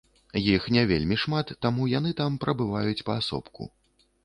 Іх не вельмі шмат, таму яны там прабываюць паасобку.